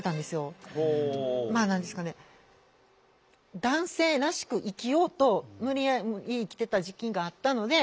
まあ何ですかね男性らしく生きようと無理やり生きてた時期があったので。